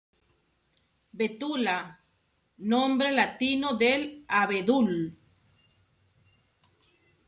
Betula: nombre latino del abedul.